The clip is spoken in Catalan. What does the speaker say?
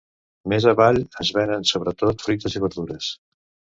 Més avall es venen sobretot fruites i verdures.